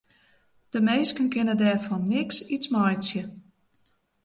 De minsken kinne dêr fan neat eat meitsje.